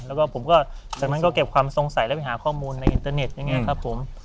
แล้วก็ผมก็จากนั้นก็เก็บความสงสัยแล้วไปหาข้อมูลในอินเตอร์เน็ตอย่างนี้ครับผม